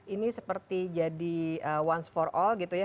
ini seperti jadi one for all gitu ya